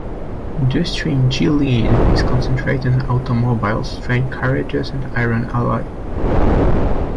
Industry in Jilin is concentrated on automobiles, train carriages, and iron alloy.